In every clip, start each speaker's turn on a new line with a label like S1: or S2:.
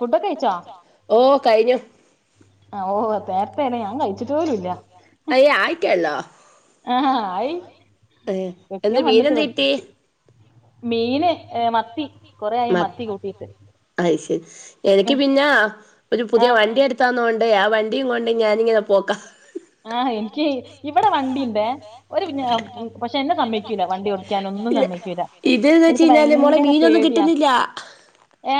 S1: ഫുഡൊക്കെ കഴിച്ചാ ഓഹ നേരത്തെരെ ഞാൻ കഴിച്ചിട്ട
S2: അയ്യ ആയിക്കല്ല
S1: ആഹ ആയി വ്യത്യയും വന്നിട്ട് വറ്റ മീന് മത്തി കൊറയായി മത്തി കൂട്ടിയിട്ട്
S2: എനിക്ക് പിന്നെ ഒരു പുതിയ വണ്ടി എടുത്താന്നണ്ട അേ ആ വണ്ടിയും കൊണ്ട് ഞാനിങ്ങനെ പോക്കാം
S1: ആഹ് എനിക്ക് ഇവിടെ വണ്ടിന്ത ഒരു പിന്ന പക്ഷെ എന്നെ നമ്മക്കൂല വണ്ടി ഓടിക്കൻ ഒന്നും സമ്മക്കൂല എനിക്ക് ഭയങ്കര പേ
S2: കിട്ടുന്നില്ല
S1: ഏ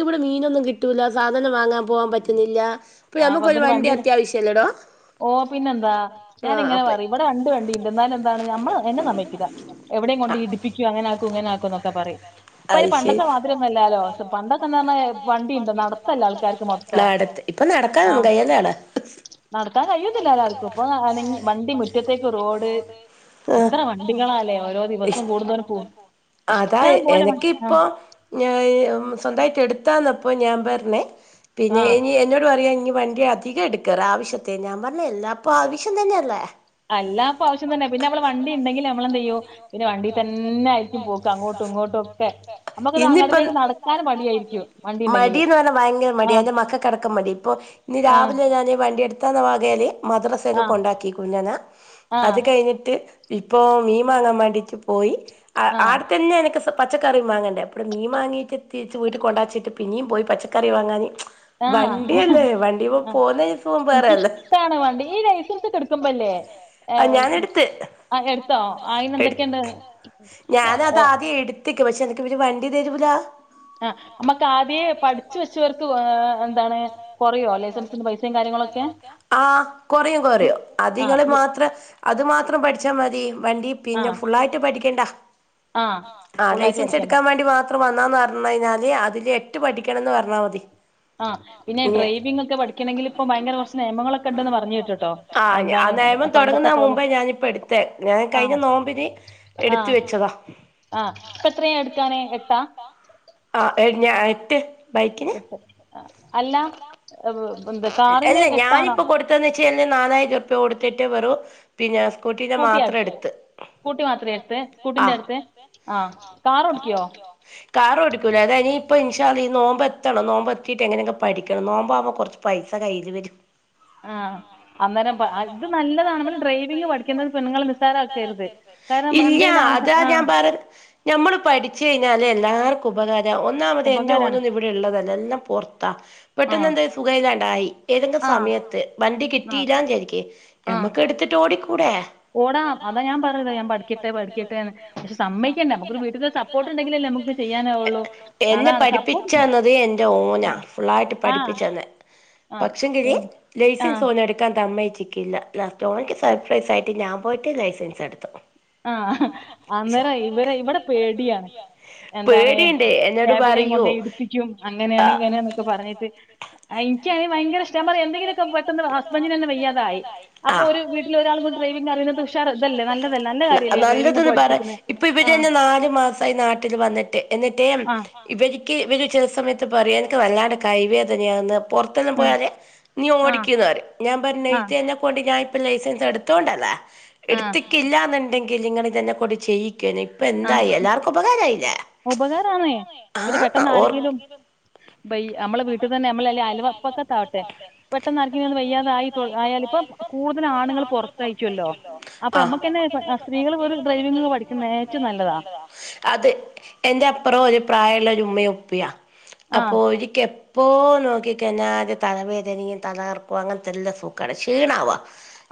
S2: ഇ ഇവിടെ മീനൊന്നും കിട്ടൂില്ല സാധനം വാങ്ങാൻ പോകാൻ പറ്റുന്നില്ല.
S1: ആഹ വന്നിന് വണ്ടി ഓ പിന്നെന്താ ഞാാന ഇങ്ങനെ പറയും ഇവിടെ രണ്ട് വണ്ടിണ്ട് എന്നാല എന്താണ് നമ്മ എന്നെ [unintelligible] എവിടെയും കൊണ്ട് ഇടിപ്പിക്കുക അങ്ങനെ കുങ്ങനെ ആക്കുന്നൊക്കെ പറയും ഇപ്പര് പണ്ടൊത്തെെ മാതിമൊന്നുമല്ലാലോ പണ്ടൊക്കെ എന്ത പറഞ്ഞാ വണ്ടിയുണ്ടോ നടത്തല്ല ആൾക്കാർക്ക് മൊത്തം.
S2: [unintelligible]
S1: നടത്താൻ കഴിയത്തില്ലാവർക്കും ഇപ്പൊ വണ്ടി മുറ്റത്തേക്ക് റോഡ് എത്ര വണ്ടികളല്ലേ ഓരോ ദിവസവും കൂടതവക്ക് ഇഷ്ട
S2: എനക്ക് ഇപ്പോഞ സ്വന്തമായിട്ട് എടുത്താന്നപ്പോ ഞാൻ പറരണേ പിന്നെ ഇനി എന്നോട് പറയാ ഇനി വണ്ടി- അധികം എടുക്കറ ആവശ്യത്തെ ഞാൻ പറഞ്ഞല്ല അപ്പൊ ആവശ്യം തന്നെയല്ലേ അല്ലാപ്പ ആവശ്യംന്നന്ന പിന്നെ അവമ്മള് വണ്ടി ഉണ്ടെങ്കിൽ നമ്മളെന്ത് ചെയ്യും പിന്നെ വണ്ടിയി തന്നെ ആയിരിക്കും പോക്കഅ ഇന്നിപ്പം മടി എന്ന് പറഞ്ഞ ഭയങ്കര മടിയ മക്കൾ നടക്കൻ മതി ഇപ്പോ ഇനി രാവിലെ ഞാൻ വണ്ടിയ എടുത്ത്- ത്ത വാകല് മദ്രസയില കൊ ണ്ടാക്കി കുഞ്ഞന അത് കഴിഞ്ഞിട്ട് ഇപ്പോൾ മീ മാങ്ങാൻ വേണ്ടിട്ട് പോയി ആട്ത്തന്നെ എനിക്ക് പച്ചക്കറി വാങ്ങേണ്ടേ എപ്പോും മീൻാങ്ങിയിട്ട് തിരിച്ച് വീട്ടിൽ കൊണ്ടച്ചിട്ട് പിന്നെയും പോയി പച്ചക്കറി വാങ്ങാൻ.
S1: ആ ആ എനിക്കിഷ്ടാണ് വണ്ടി ഈ ലൈസൻസ്ടുക്കുമ [unintelligible] എടുത്തോ ആയിന്ന എന്തൊക്കെയുണ്ട്
S2: ഞാനത് ആദ്യം എടുത്തു പക്ഷേ എനിക് ഇവര് വണ്ടി തരൂല.
S1: നമ്മക്ക് ആദ്യ പഠിച്ച് വച്ചവർക്ക് എന്താണ് കുറയോ ലൈസൻസിന്‍റെ പൈസകാര്യം
S2: ആഹ് കൊറോയും കൊറയും അതിങ്ങള് മാത്ര അതുമാത്രം പഠിച്ചാൽ മതി വണ്ടി പിന്നെ ഫുള്ളായിട്ട് പഠിക്കേണ്ട ആ ലൈസൻസ് എടുക്കാൻ വേണ്ടി മാത്ര- അത്ര വന്നാന്ന് പറു കഴിഞ്ഞാല് അതില് എട്ട് പഠിക്കണം എന്ന് പറഞ്ഞാൽ മതി.
S1: ആഹ പിന്നെ ഡ്രൈവിംഗ ഒക്കെ പഠിക്കണമെങ്കിൽ ഇപ്പൊ ഭയങ്കര കുറച്ച് നിയമങ്ങളൊക്കെ ഉണ്ടെന്ന് പറഞ്ഞുട്ട കേട്ട്ട്ടോ എന്താണ്
S2: തുടങ്ങുന്നതിനു മുന്പേ ഞാനിപ്പം എടുത്തേ ഞാൻ കഴിഞ്ഞ നോമ്പിന് എടുത്തു വെച്ചതാ
S1: ആ ഇപ്പൊ എത്രയാണ് [unintelligible]
S2: ആ എ ഞാൻ
S1: ഇട്ട് അല്ല
S2: അല്ല ഞാനിപ്പ കൊടുത്തന്ന് വെച്ചല് നാലായിരംറുപ്യ കൊടുത്തിട്ട് വെറും പിന്നെ
S1: സ്കൂട്ടി അടുത്ത് സ്കൂട്ടി മാത്രേ അടുത്ത സ്കൂട്ടിന്റെ അടുത്ത് ആഹ്
S2: കാറോടിക്കുമോ?. കാറോടിക്കൂല അതെനിയിപ്പോ ഇൻ ഷാ അല്ലാഹ് ഈ നോമ്പെത്തണം. നോമ്പെത്തിയിട്ട് എങ്ങനെയെങ്കിലും പഠിക്കണം. നോമ്പാവുമ്പോ കുറച്ച് പൈസ കയ്യിൽ വരും. ആ അന്നേരം പ അത് നല്ലതാ നമ്മൾ ഡ്രൈവിങ് പഠിക്കുന്നത് പെണ്ണുങ്ങൾ നിസാരക്കരുത്. ഇല്ല അതാ ഞാൻ പറ ഞമ്മ ൾ പഠിച്ച് കഴിഞ്ഞാല് എല്ലാവർക്കും ഉപകാരാ ഒന്നാമത് എന്റെ ഓനൊന്നും ഇവിടെ ഉള്ളതല്ല എല്ലാം പുറ ത്താ. പെട്ടെന്ന് എന്തെങ്കിലും സുഖമില്ലാണ്ടായി ഏതെങ്കിലും സമയത്ത് വണ്ടി കിട്ടിയില്ലാന്ന് വിചാരിക്ക് ഞമ്മക്ക് എടുത്തിട്ട് ഓടി
S1: ഓടാം, അതാ ഞാൻ പറഞ്ഞത് ഞാൻ പഠിക്കട്ടെ പഠിക്കട്ടെന്ന് പക്ഷെ സമ്മതിക്കണ്ടെ നമുക്ക് വീട്ട സപ്പോർട്ട് ഉണ്ടെങ്കിലേ നമുക്ക് ചെയ്യാനേ ഉള്ളൂ അതാണ് സപ്പോർട്ട്
S2: [unintelligible] പഠപ്പിച്ചന്ന് പക്ഷെ കിൽ ലൈസൻസ് ഓൻ എടുക്കാൻ തമ്മയ്ക്ക് [unintelligible] സർപ്രൈസ് ആയിട്ട് ഞാൻ പോയിട്ട് ലൈസൻസ് എടുത്തു
S1: ആഹ അന്നേരം ഇവരെ ഇവിടെ പേടിയാ എന്താാണ് എവിടെേയും കൊണ്ട ഇടിപ്പിക്കും അങ്ങനെയാണ് ഇങ്ങനെ എന്നൊക്കെ പറഞ്ഞു അത് [unintelligible] എന്തങ്കിലൊക്കെ പെട്ടെന്ന് ഹസ്ബൻറിന് തന്നെ വയ്യാതായി അപ്പോ ഒരു വീട്ടിൽ ഒരാൾ ഡ്രൈവിംഗ് അറിയുന്നത് ഉഷാർ നല്ലതല്ലേ.
S2: നല്ലതന്ന് പറയാ ഇപ്പൊ ഇവ [unintelligible] നാല് മാസമായി നാട്ടിൽ വന്നിട്ട് എന്നിട്ടേ ഇവ എനിക്ക് വല ചില സമയത്ത് പറയും എനിക്ക് നല്ലാണ്ട് കൈ വേദനയാെന്ന് പുറത്തന്നും പോയാൽെ നീ ഓടിക്കുന്നവരെ ഞൻ പറ ഇതെ കൊണ്ട് ഞാൻ ലൈസൻസ് എടുത്തോണ്ടല്ലേ എടുത്തിക്കില്ലന്നുണ്ടെങ്കിൽ നിങ്ങ ഇതന്നെ കൂടി ചെയ്യിക്ക ഇപ്പ എന്തായി എല്ലാർക്കും ഉപകാരമായില്ല ആഹ ഓർക്ക
S1: ബൈ നമ്മെ വീട്ടിൽ തന്നെ നമ്മളല്ല അയവപ്പക്കത്ത ആാവട്ടെ പെട്ടെന്ന ആക്കിന വയ്യാത ആയി ഇപ്പ കൂടുതൽ ആണുകൾ പുറത്തയക്കുമല്ലോ അപ്പൊ നമ്മക്ക്ന്നെ സ്ത്രീകൾ ഒരു ഡ്രൈവിംഗ പഠിക്കുന്ന
S2: നത അത് എന്റെ അപ്പുറം ഒരു പ്രായമുള്ളരു ഉമ്മ ഉപ്പിയാ അപ്പൊ ഒരു കെ പോ നോക്കിക്ക കഴിഞ്ഞാ അത് തലവേദനും തലകർക്കും അങ്ങനെത്തെല്ല സൂക്കാണ് ക്ഷീണമാവാുക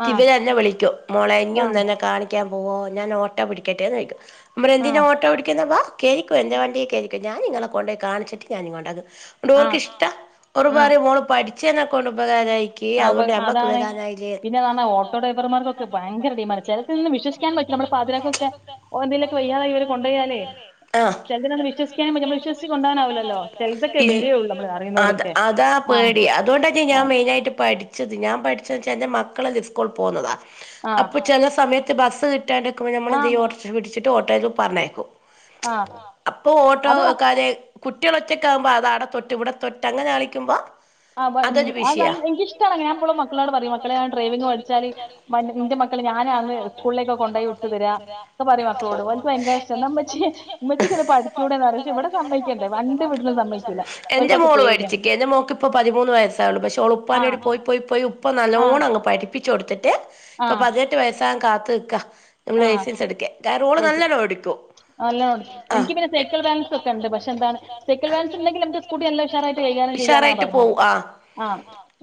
S2: തിവരെ തന്നെ വിളിക്കും മുള ഇഞ്ഞ ഒന്ന് തന്നെ കാണിക്കാൻ പോവോ ഞാൻ ഓട്ടോ പിടിക്കട്ടെന്ന് ചോിക്കും നമ്മൾ എന്തിനും ഓട്ടോഓടിക്കുന്ന വാ കേരിക്ക എ് വണ്ടിയേ കരിക്കും ഞാ നിങ്ങളെ കൊണ്ടേയിണിച്ചി് ഞാനങ്ങൊണ്ടാക്കും അോർക്ക ഇഷ്ടം ഒരുപാറ മോള് പഠിച്ചന്നെ കൊണ്ടു പോകാതായി അതുകൊണ്ട് അമ്മക്ക് വേദാനായി
S1: പിന്നെതാ ഓട്ടോ ഡ്രവർക്കെ ഭയങ്കര ഡിമാന്റ് ആ ചിലൽ നിന്ന് വിശോസിക്കാൻ പറ്റ നമ്മിപ്പോ അതിനൊക്കൊക്കെന്തെല
S2: യ്യാതെ ഇവ കൊണ്ടോാല ച വിശ്വിക്ക വിശ് കൊാവല്ല [inaudible] അ അതാ പേടി അതുകൊണ്ട്ന്നെ ഞാൻ മെയിനായിട്ട് പഠിച്ചത് ഞാൻ പഠിച്ച എന്റെ മക്കളല്ല സ്കൂൾ പോകുന്നതാ അപ്പൊ ചില സമയത്ത് ബസ് കിട്ടാൻ ൻെക്കുമ്പോ നമ്മെന്ത ഓട്ട പിടിച്ചിട്ട് ഓോയിൽ പറഞ്ഞേക്കും അപ്പൊ ഓട്ടോക്കാരെ കുട്ടികള ഒറ്റക് ആകുമ്പോ അത് അട തൊട്ട് ഇവിട തൊട്ട് അങ്ങനെ കളിക്കുമ്പോ
S1: ആ നല്ല എനിക്കിഷ്ടാണ് ഞാപ്പളും മക്കളോട് പറയും മക്കളെ ഞാൻ ഡ്രൈവിംഗ് പഠിച്ചാല് [unintelligible] ഞാനാന്ന് സ്കൂളിലേക്ക് കൊണ്ടോയി വിട്ടു തരാം പറയും [unintelligible] ഭയങ്കര ഇഷ്ട നമ്മച്ചി ഇമ്മച്ചക്കിത് പഠിച്ചൂടെന്ന്റയു ഷെ ഇവിടെ സമ്മയ്ക്കണ്ട വണ്ടി വീടല് [unintelligible] അവർക്കൊക്കെ പേട്യ
S2: ഇപ്പം പതിമൂന്ന് വയസ്സാവുള്ളൂ പക്ഷേ ഓള് ഉപ്പാന്റൂടി പോയി പോയി പോയി ഉപ്പ നല്ലോണങ്ങ് പഠപ്പിച്ച് കൊടുത്തിട്ട് ഇപ്പൊ പതിനെട്ട് വയസാൻ കാത്ത് നിക്ക നമ്മള് ലൈസൻസ് എടുക്കൻ കാര് ഓള് നല്ലായിട്ട്ഓടിക്കോ
S1: അല്ലൊണ്ട് എനിക്ക് പിന്നെ സൈക്കിൾ ബാലൻസ് ഒക്കെണ്ട് പക്ഷെ എന്താണ് സൈക്കി വാലൻസ് ഉണ്ടെങ്കില് അമ്മക്ക് സ്കൂട്ടി നല്ല ഉഷാറായിട്ട് [unintelligible]
S2: ഉഷാറായിട്ട് പോവു ആ
S1: ആ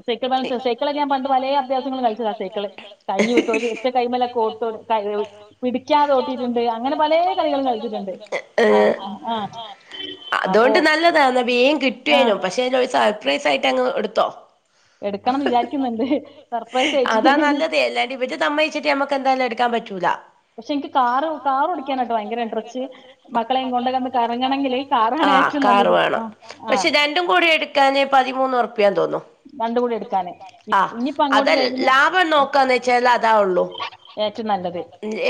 S1: സൈക്കിൾ ബാൻസ് സൈക്കിളേ ഞാ പണ്ട് പലേ അഭ്യാസങ്ങൾ കളിച്ചതാ സൈക്കിള് കൈയ് വിട്ടോ [unintelligible] [unintelligible] പിടിക്കാതെ ഓട്ടിയിട്ടുണ്ട് അങ്ങനെ പലേ കളികളും കളിച്ചിട്ടുണ്ട്
S2: ഏ അതോണ്ട് നല്ലതാന്ന് വീം കിട്ടുവേനും പക്ഷെ [unintelligible] സർപ്രൈസായിട്ടങ്ങ് എടുത്തോ അതാ നല്ലത് അല്ലാണ്ടിവര് സമ്മേച്ചിട്ടി നമ്മക്ക് എന്തായാലും എട് ക്കാൻ പറ്റൂല പക്ഷെ എനിക്ക് കാറ് കാറോടിക്കാനട്ട ഭയങ്കര ഇൻട്രസ്റ്റ് മക്കളെം കൊണ്ടെല്ലൊന്ന് കറങ്ങണെങ്കില് ആ കാറ് വേണം പക്ഷെ രണ്ടും കൂടി എടുക്കാന് പതിമൂന്നറുപ്യാന്ന് തോന്നു ആ അതെ ലാഭം നോക്കാന്ന് വെച്ചാൽ അതാള്ളൂ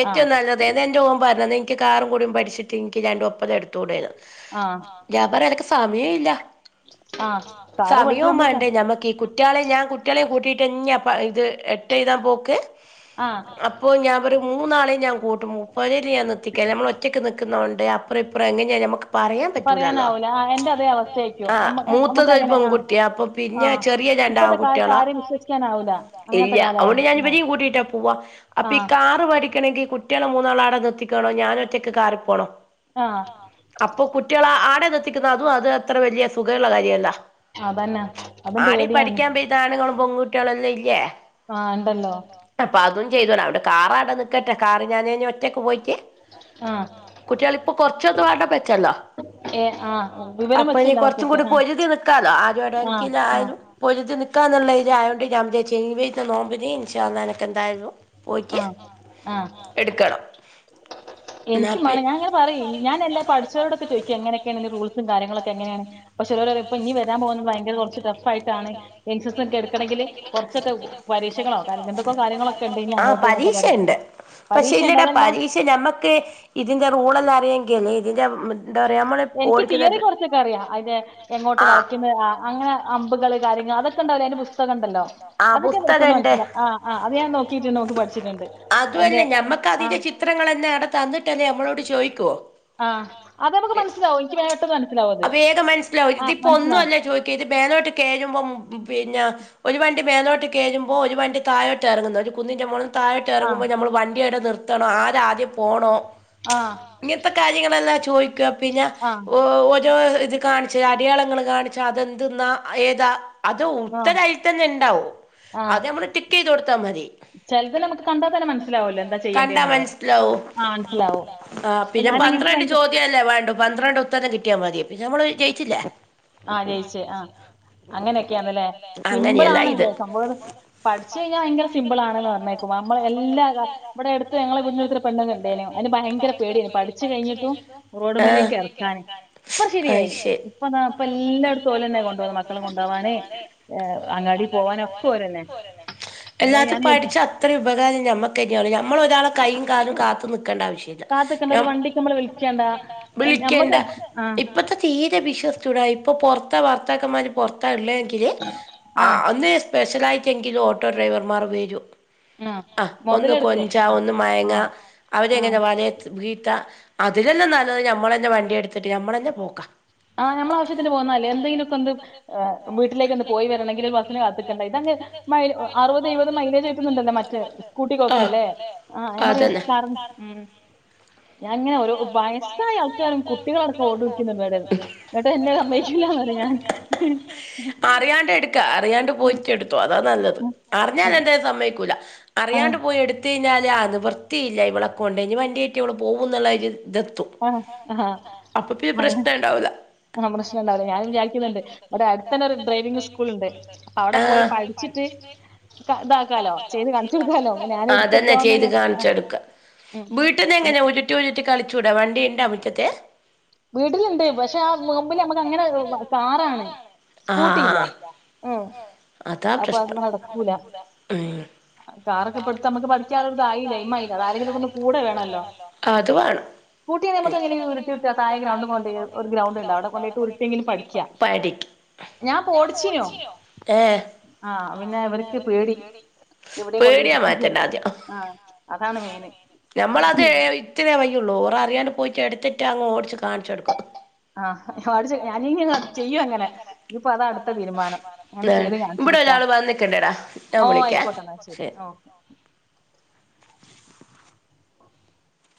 S2: [inaudible] ഏറ്റവും നല്ലത് അതന്റെഓം പറഞ്ഞത് എനിക്ക് കാറുംകൂടി പഠിച്ചിട്ട്നിക്ക് രണ്ട് ഒപ്പം [inaudible] ടെ ഞാൻ പറയാ എനക്ക് സമയല്ല സമയവും വേണ്ടേ ഞമ്മക്ക് ഈ കുട്ട്യളെ ഞാൻ കുട്ട്യളെം കൂട്ടിട്ട് ഇത് എട്ടേയ്താ പോക്ക് അപ്പോ ഞാമ്പറയും മൂ [inaudible] കൂട്ടും പൊരേല് ഞാൻ നിർത്തിക്കേല മ്മള് ഒറ്റയ്ക്ക് നിക്കുന്നോണ്ട് അപ്പറ ഇപ്പറ എങ്ങനെയ [inaudible] പറയാമ്പറ്റൂലല്ലൊ [inaudible] ആ മൂത്തതൊരു പെങ്കുട്ടിയപ്പപിന്നെ ചെറിയ രണ്ടാംകുട്ട്യള ഇല്ല്യ അതൊണ്ട് ഞാനിവരെം കൂട്ടീട്ടാ പോവ അപ്പൊ ഈ കാണു [unintelligible] കുട്ട്യാളെ മൂന്നാളാടെ നിർത്തിക്കേണോ ഞാനൊറ്റക്ക് കാറി പോണം അപ്പൊ കുട്ട്യാളാടെ ത്തിക്കുന്നത് അതും അത് അത്ര വലിയ സുഖള്ള കാര്യല്ല ആടെം പഠിക്കാൻ [unintelligible] ട്യളെല്ലായില്ല്യേ പ്പതും ചെയ്തൂട അണ്ട് കാറാടെ നിക്ട്ടെ കാറി ഞാന് നി ഒറ്റക്ക് പോയിക്ക് കുട്ടികളിപ്പൊ കൊറച്ചൊകേ വണ്ണം വെച്ചലോ. അപ്പൊ നീ കൊറച്ചും കൂടി പൊരുതി നി ക്കാലോ ആരും എടങ്കിൽ ആയാലും പൊരുതി നിക്കാന്നൊള്ളയിതായണ്ട് ഞാൻ വിചാരിച് ഈ വെയ്ന നോമ്പിന് ഇൻശാഅല്ലാഹ്‌ എനക്ക് എന്തായാലും
S1: ആ ആ.
S2: എടുക്കണം.
S1: ട്ടു ട്ടു ട്ടു. എനിക്ക് മേണം ഞാങ്ങനെ പറയും ഞാനെല്ല പടിച്ചോരോടെക്കെ ചോയ്ക്കും എങ്ങനൊക്കെണ് ഈന്റെ റൂൾസും കാര്യങ്ങളൊക്കെ എങ്ങനേണ് ചോയ്ക്കും. [unintelligible] ഇനി വരാൻ പോന്ന് ഭയങ്കര കൊറച്ച് ടഫായിട്ടാണ് ലൈസൻസ് ഒക്കെ എടുക്കണെങ്കില്--എടുക്കണെങ്കില് കൊറച്ചൊക്ക [unintelligible] ളോ കാര്യ എന്തൊക്കോ കാര്യങ്ങളൊക്കെണ്ട് ഇനിയങ്ങോട്ട്ന്നൊക്കെ പറയു പരീക്ഷണ്ടതെല്ലാം -
S2: [unintelligible] ഇതിന്റെ റൂളെല്ലാം അറിയാങ്കില് ഇതിന്റെ
S1: എനിക്ക് തിയറി കൊറച്ചൊക്കെ അറിയാം അയ്ന്റെ എങ്ങോട്ട് വളയ്കുന്ന് അങ്ങനെ അമ്പുകള് കാര്യങ്ങ അതൊക്കെണ്ടാവില്ലെ അതിന്റെ പുസ്തകണ്ടല്ലോ അതൊക്കെ പെട്ടന്ന് മനസ്സിലാകും ആ ആ അത് ഞാൻ നോക്കിട്ട് നോക്ക് പഠിച്ചിട്ടുണ്ട്.
S2: അതുവല്ല ഞമ്മക്ക് അതിന്റെ ചിത്രങ്ങളന്നെ ആട തന്നിട്ടല്ലേ അമ്മളോട് ചോദിക്കുവോ? അ വേഗം മനസ്സിലാവും ഇതിപ്പോ ഒന്നുല്ലെ ചോദിക്കല് കേഴുമ്പോം പിന്നെ ഒരു വണ്ടി മേലോട്ട് കേഴുമ്പോ ഒരു വണ്ടി താഴോട്ട് എറങ്ങുന്നു ഒരു കുന്നിൻ്റെ മോള് ത്തായിട്ട് എറങ്ങുമ്പോ ഞമ്മള് വണ്ടിയെടെ നിർത്തണം ആരാദ്യം പോണൊ
S1: ആ
S2: ഇങ്ങത്തെ കാര്യങ്ങളെല്ലാ ചോദിക്ക്വാ പിന്നെ ഓ ഓരോ ഇത് കാണിച്ച് അടയാളങ്ങൾ കാണിച്ച് പക്ഷെ അതെന്ത്ന്നാ ഏതാ അത് ഉത്തരായിത്തന്നെ ഉണ്ടാവും. അത് നമ്മള് ടിക്കെയ്തൊടുത്താ മതി. ചെലപ്പോ നമ്മക്ക് കണ്ടാ തന്നെ മനസിലാവും, കണ്ടാ മനസ്സിലാവും [unintelligible] ആ പിന്നെ പന്ത്രണ്ട് ചോദ്യംല്ലേ വേണ്ടു പന്ത്രണ്ട് ഉത്തരം കിട്ടിയാൽ മതിയേ പിന്നെ നമ്മൾ വിജയിച്ചിലെ?
S1: ആ ജയിച്ച് ആ. അങ്ങനെയൊക്കെയാന്ല്ലേ സിമ്പിള് ആണല്ലേ സംഭവം പഠിച്ചയ്ഞ്ഞാ യങ്കര സിമ്പിളാണെന്ന് പറഞ്ഞേക്കു മ്മൾ എല്ലാഗാ ഇവ്ടെ യട്ത്ത് ഞങ്ങളെ ഇവ്ട്ന്ന് ഒരുതരപെണ്ങ്ങണ്ടയ്നു അയ്ന് ഭയങ്കര പേടിയന് പഠിച്ചുകയിഞ്ഞിട്ടും റോടുമ്മലേക്ക് എർക്കാന് പ്പ ശെരിയായി ഇപ്പതാ പ്പ എല്ലാട്ത്തു ഓലെന്നെ കൊണ്ടോഗ്ണ ക്കള കൊണ്ടോവാന് എ അങ്ങാടി പോവാനോക്കെ ഓരന്നെ അന്നേരം ഞാന്
S2: ഇപകാരം ഞമ്മക്ക്ന്നാണ് ഞമ്മളൊരാളെ കയ്യും കാലും കാത്ത് നി കണ്ടാവശ്യല്ല ഞ വിളിക്കേണ്ട ഇപ്പത്തെ തീരെ വിഷ് [unintelligible] ഇപ്പൊ പോർത്ത വർത്താക്കമ്മാര് പൊർത്താള്ളെങ്കിൽ അന്ന് സ്പെഷ്യൽ ആയി ചെങ്കിൽ ഓട്ടോ ഡ്രൈവർമാർ വേരു ആ ഒന്ന് കൊജാ ഒന്ന് മയങ്ങാ അവരെ എങ്ങനെ വലായത് വീത്ത അതിലെല്ലാ നല്ലത് ഞമ്മളന്നെ വണ്ടി എട്ത്തിട്ട് ഞമ്മളെന്നെ പോകാ.
S1: ആ ഞമ്മള ആവശ്യത്തിന് പോന്നല്ലേ എന്തെങ്കിലുംക്കെ എന്തും വീട്ട്ലേക്കെന്ന് പോയി വെരണങ്കിൽ ബസിന് കാത്ത്ക്കണ്ട ഇത്ങ് മയ് അറുവത് യേയുപത് മൈലേജ് കിട്ടുന്നുണ്ടല്ലോ മ റ്റ് സ്കൂട്ടിക്ക്കോക്കെ ല്ലേ ആ ഞാ പറയാ കാർ ഉം ഞാങ്ങനെ ഓരോ ബയസ്സായ ആൾക്കാരും കുട്ടികളടക്കെ ഓടി ക്കുന്ന വരെ
S2: അറിയാണ്ട് എട്ക്കാ അറിയാണ്ട് പോയിറ്റ് എട്ത്തോ അതാ നല്ലത്. അർഞ്ഞാ ഇന്നെന്തയ്ലും സമ്മയ്ക്കൂല. അറിയാണ്ട് പോയി എട്ത്തയ്ഞ്ഞാൽ അനിവൃത്തിയില്ല ഇവള കൊണ്ട് ഞ് വണ്ടിയിട്ട് ഇള് പോവുന്ന്ള്ളര് ഇതെത്തും അപ്പൊ പിന്നെ പ്രശ്ന ണ്ടാവൂല. ആ ആ അതന്നെ ചെയ്ത് കാൺച്ചെട്ക്കാ വീട്ട്നെങ്ങനെ ഉരുട്ടി ഉരുട്ടി കളിചൂടെ വണ്ടിണ്ട മുറ്റത്ത്.
S1: വീട്ട്ല്ണ്ട് പക്ഷെ ആ മുമ്പിൽ അമക്ക് അങ്ങനെ കാറാണ് സ്കൂട്ടില്ല. ഉം അപ്പൊ അത് നടക്കൂല. കാറൊക്കപട്ത്ത് അമക്ക് പഠിക്കാനൊരുതായില്ല എയ്മായില്ല അതാരരെങ്കിലൊകൊന്ന് കൂടെ വേണല്ലോ.
S2: അത് വെണം. പഠി എ
S1: ആ പിന്നെ വർക്ക് പേടി എവിടെകൊണ്ട ഇടിപ്പികോ ആ അതാണ് യനെ
S2: ഞമ്മള അത് ഇത്രയേ വയ്യുള്ളു ഓർറിയാണ്ട് പോയിട്ട് എട്ത്തിട്ട് അങ്ങ് ഓടിച്ച് കാണിച്ചെടുകൊത്.
S1: ആ അട് ചെ ഞാനിങ്ങന ചെയ്യു അങ്ങനെ ഇപ്പൊ അതാ അട്ത്ത തീരുമാനം ങ്ങനെ ചെയ്ത് കാണിച്ചു അ ഓ ആയിക്കോട്ടെ ന്നാ ശരി ഓക്കെ.